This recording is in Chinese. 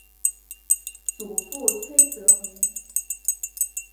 祖父崔则明。